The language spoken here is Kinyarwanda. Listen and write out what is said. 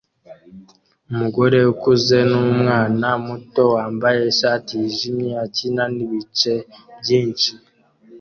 Umugore ukuze numwana muto wambaye ishati yijimye akina nibice byinshi